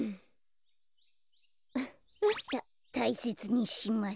たたいせつにします。